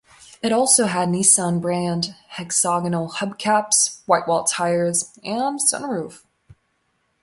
It also had Nissan brand hexagonal hubcaps, whitewall tires, and sun roof.